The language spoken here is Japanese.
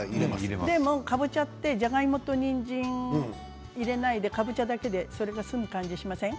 でもかぼちゃ、じゃがいもとにんじん、入れないでかぼちゃだけでそれが済む感じしません？